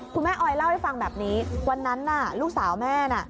ออยเล่าให้ฟังแบบนี้วันนั้นน่ะลูกสาวแม่น่ะ